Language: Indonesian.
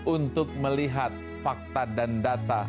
untuk melihat fakta dan data